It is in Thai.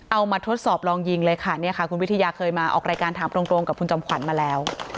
มาทดสอบลองยิงเลยค่ะเนี่ยค่ะคุณวิทยาเคยมาออกรายการถามตรงกับคุณจอมขวัญมาแล้ว